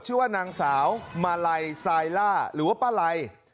ชื่อว่านางสาวมาลัยซายล่าหรือว่าป้าไล